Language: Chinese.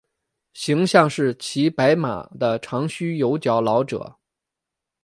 形象是骑白马的长须有角老者。